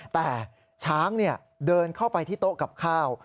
แต่ช้างเดินเข้าไปที่โต๊ะกับข้าว